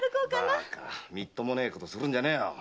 みっともねえことするんじゃねえよ。